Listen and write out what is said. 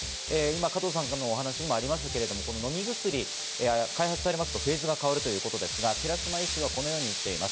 加藤さんのお話にもありましたが、飲み薬、開発されるとフェーズが変わりますが、寺嶋医師はこのように言っています。